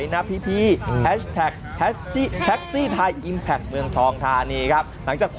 มิตเตอร์หรือเปล่า